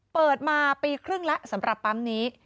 เปิดมาปีครึ่งแล้วสำหรับปั๊มนี้